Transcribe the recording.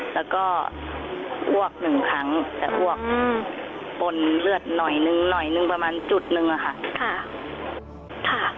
แล้วก็อ้วกหนึ่งครั้งแต่อ้วกปนเลือดหน่อยนึงประมาณจุดนึงค่ะ